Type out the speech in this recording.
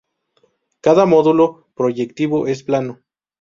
Cada módulo proyectivo es plano.